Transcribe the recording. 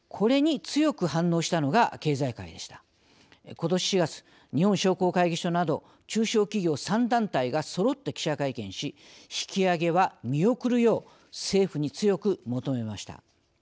ことし４月、日本商工会議所など中小企業３団体がそろって記者会見し引き上げは見送るよう政府に強く求めました。